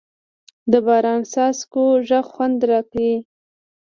د باران څاڅکو غږ خوند راکړ.